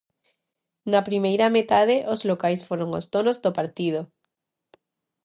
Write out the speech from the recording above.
Na primeira metade os locais foron os donos do partido.